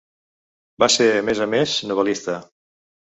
Va ser a més a més novel·lista.